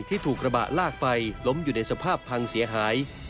ถูกกระบะลากไปล้มอยู่ในสภาพพังเสียหาย